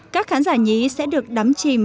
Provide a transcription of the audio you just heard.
các khán giả nhí sẽ được đắm chìm